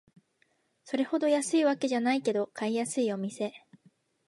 それほど安いわけじゃないけど買いやすいお店